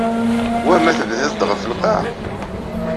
Wah ma tebdiḍ-d ɣef lqaɛ?